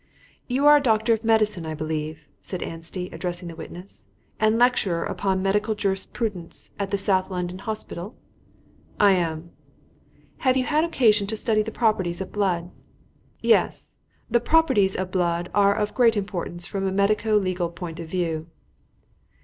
"You are a doctor of medicine, I believe," said Anstey, addressing the witness, "and lecturer on Medical Jurisprudence at the South London Hospital?" "I am." "Have you had occasion to study the properties of blood?" "Yes. The properties of blood are of great importance from a medico legal point of view."